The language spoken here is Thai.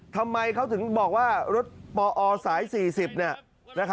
ทำไมเขาถึงบอกว่ารถปอสาย๔๐